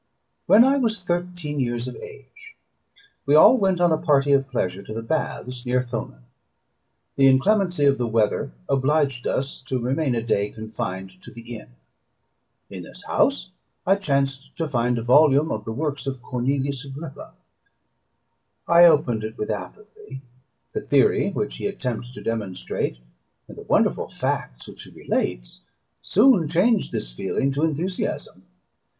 When I was thirteen years of age, we all went on a party of pleasure to the baths near Thonon: the inclemency of the weather obliged us to remain a day confined to the inn. In this house I chanced to find a volume of the works of Cornelius Agrippa. I opened it with apathy; the theory which he attempts to demonstrate, and the wonderful facts which he relates, soon changed this feeling into enthusiasm.